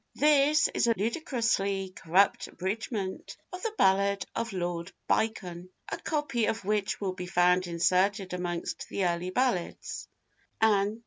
[THIS is a ludicrously corrupt abridgment of the ballad of Lord Beichan, a copy of which will be found inserted amongst the Early Ballads, An.